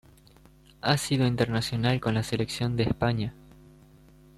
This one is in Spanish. Ha sido internacional con la Selección de España.